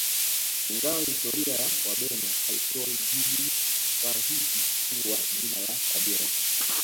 Ingawa historia ya Wabena haitoi jibu usahihi huu wa jina la kabila